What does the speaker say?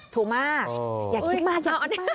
ถูกมากอย่าคิดมาก